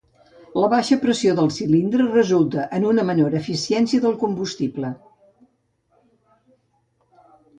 La baixa pressió del cilindre resulta en una menor eficiència del combustible.